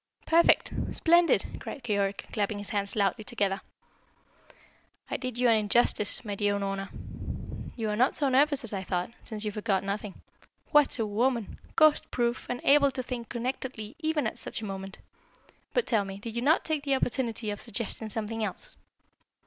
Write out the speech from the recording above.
"Perfect! Splendid!" cried Keyork, clapping his hands loudly together. "I did you an injustice, my dear Unorna. You are not so nervous as I thought, since you forgot nothing. What a woman! Ghost proof, and able to think connectedly even at such a moment! But tell me, did you not take the opportunity of suggesting something else?"